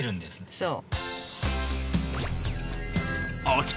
そう。